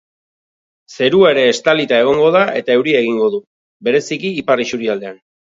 Zerua ere estalita egongo da eta euria egingo du, bereziki ipar isurialdean.